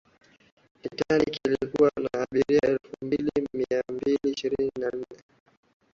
titaniki ilikuwa na abiria elfu mbili mia mbili ishirini na nne